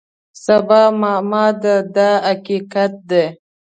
سبا معما ده دا حقیقت دی.